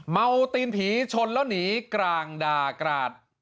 ตีนผีชนแล้วหนีกลางด่ากราด